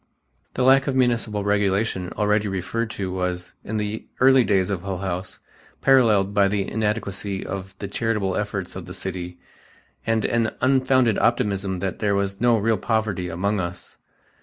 The lack of municipal regulation already referred to was, in the early days of Hull House, parallelled by the inadequacy of the charitable efforts of the city and an unfounded optimism that there was no real poverty among us.